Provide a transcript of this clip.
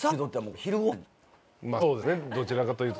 そうですねどちらかというと。